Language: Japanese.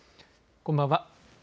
こんばんは。